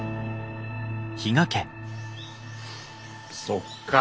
そっか。